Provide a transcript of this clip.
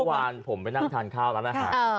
เมื่อวานผมไปนั่งทานข้าวร้านอาหาร